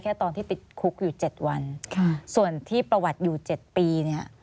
ตอนที่ติดคุกอยู่๗วันส่วนที่ประวัติอยู่๗ปีเนี่ย